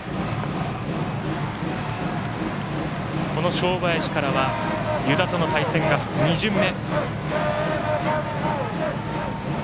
正林からは湯田との対戦が２巡目。